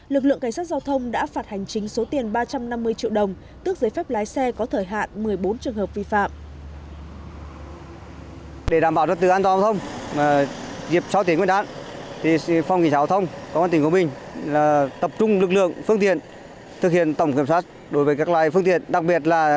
lực lượng cảnh sát giao thông đã phạt hành chính số tiền ba trăm năm mươi triệu đồng tước giấy phép lái xe có thời hạn một mươi bốn trường hợp vi phạm